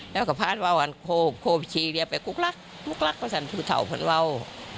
แล้วก็พระธุ์ว่าวันโคบโคบชี้เลี้ยไปกุ๊กลั๊กกุ๊กลั๊กก็สั่นผู้เถาพันธุ์ว่าว